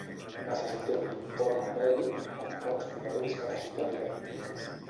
Necessitem l'informe mèdic on consti que té discapacitat i de quin tipus.